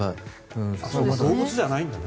動物じゃないんだね。